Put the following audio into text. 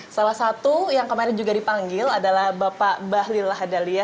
salah satu yang kemarin juga dipanggil adalah bapak bahlil lahadalia